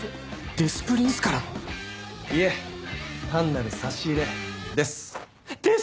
デス・プリンスからの⁉いえ単なる差し入れです。